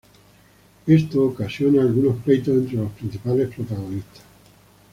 Esto ocasiona algunos pleitos entre los principales protagonistas.